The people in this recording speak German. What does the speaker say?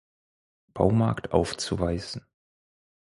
Baumarkt aufzuweisen.